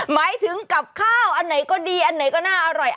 หมายถึงกับข้าวอันไหนก็ดีอันไหนก็น่าอร่อย